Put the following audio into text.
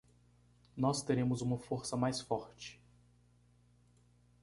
Nós teremos uma força mais forte